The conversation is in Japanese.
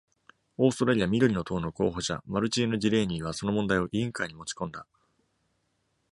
オーストラリア緑の党の候補者マルチーヌ・ディレーニーは、その問題を委員会に持ち込んだ。